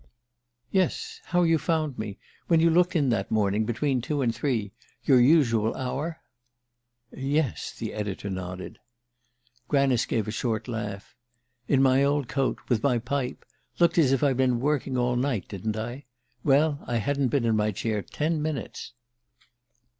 "Yes; how you found me when you looked in that morning, between two and three ... your usual hour ...?" "Yes," the editor nodded. Granice gave a short laugh. "In my old coat with my pipe: looked as if I'd been working all night, didn't I? Well, I hadn't been in my chair ten minutes!"